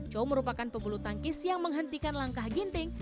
chow merupakan pembulu tangkis yang menghentikan langkah ginting